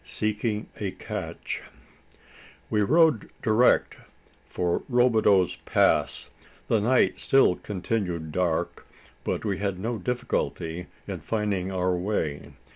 SEEKING A CACHE. We rode direct for Robideau's Pass. The night still continued dark, but we had no difficulty in finding our way.